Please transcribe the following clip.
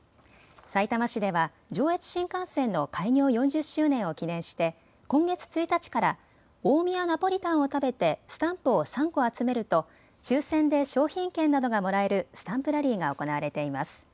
さいたま市では上越新幹線の開業４０周年を記念して今月１日から大宮ナポリタンを食べてスタンプを３個集めると抽せんで商品券などがもらえるスタンプラリーが行われています。